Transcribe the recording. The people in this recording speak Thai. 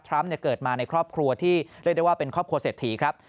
เกิดมาในครอบครัวที่เรียกได้ว่าเป็นครอบครัวเศรษฐีครับ